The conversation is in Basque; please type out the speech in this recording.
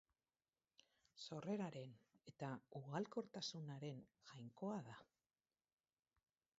Sorreraren eta ugalkortasunaren jainkoa da.